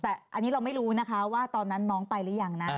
แต่อันนี้เราไม่รู้นะคะว่าตอนนั้นน้องไปหรือยังนะ